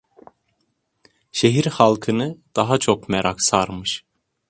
Şehir halkını daha çok merak sarmış.